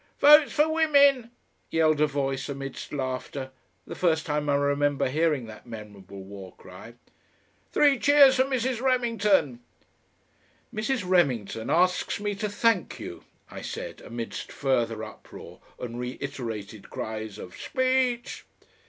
"Votes for Women!" yelled a voice, amidst laughter the first time I remember hearing that memorable war cry. "Three cheers for Mrs. Remington!" "Mrs. Remington asks me to thank you," I said, amidst further uproar and reiterated cries of "Speech!"